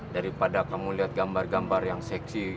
daripada kamu lihat gambar gambar yang seksi